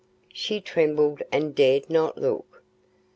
She trembled and dared not look.